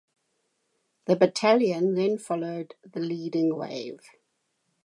The battalion then followed the leading wave.